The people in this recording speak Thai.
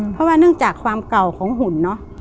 เพราะว่าเนื่องจากความเก่าของหุ่นเนอะ